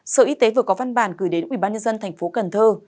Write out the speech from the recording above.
sở y tế vừa có văn bản gửi đến ubnd tp cần thơ